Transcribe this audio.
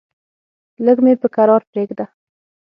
لږ مې په کرار پرېږده!